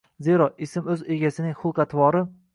Zero, ism oʻz egasining xulq-atvori.